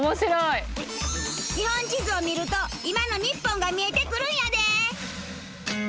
日本地図を見ると今の日本が見えてくるんやで！